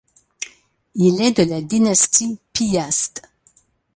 Il est de la dynastie Piast.